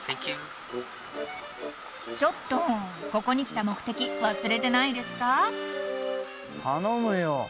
［ちょっとここに来た目的忘れてないですか？］